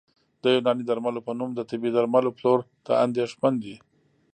د یوناني درملو په نوم د طبي درملو پلور ته اندېښمن دي